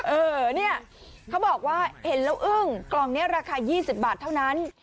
เออเนี่ยเขาบอกว่าเห็นแล้วอึ้งกล่องนี้ราคา๒๐บาทเท่านั้น